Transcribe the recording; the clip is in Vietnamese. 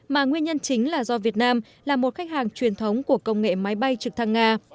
mà nguyên nhân chính là do việt nam là một khách hàng truyền thống của công nghệ máy bay trực thăng nga